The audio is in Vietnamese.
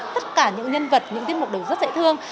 tất cả những nhân vật những tiết mục đều rất dễ thương